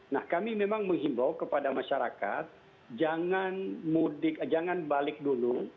nah kami memang menghimbau kepada masyarakat jangan mudik jangan balik dulu